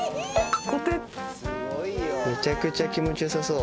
めちゃくちゃ気持ちよさそう。